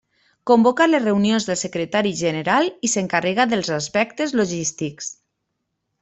Convoca les reunions del secretari general i s'encarrega dels aspectes logístics.